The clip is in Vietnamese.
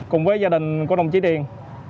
cùng với gia đình của đồng chí điền